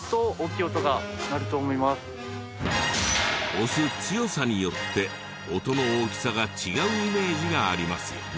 押す強さによって音の大きさが違うイメージがありますよね？